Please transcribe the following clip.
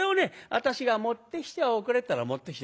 私が持ってきておくれって言ったら持ってきて。